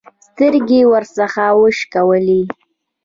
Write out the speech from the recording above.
سترګې يې ورڅخه وشکولې.